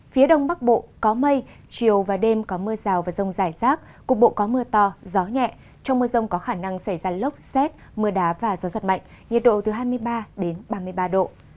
phía đông bắc bộ có mây chiều và đêm có mưa rào và rông dài xác cục bộ có mưa tỏ gió nhẹ trong mưa rông có khả năng xảy ra lốc xét mưa đá và gió giật mạnh nhật độ từ hai mươi ba ba mươi ba độ